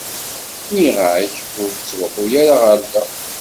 Nniɣ-ak ur d-ttruḥu ara ɣer da.